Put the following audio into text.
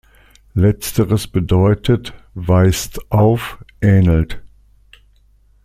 Letzteres bedeutet „weist auf, ähnelt“.